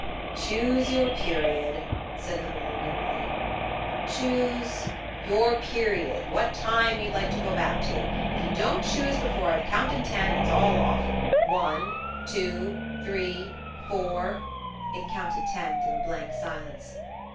"Choose your period," said the mole wearily. "Choose–?" "Your period. What time you'd like to go back to. If you don't choose before I've counted ten it's all off. One, two, three, four–" It counted ten through a blank silence.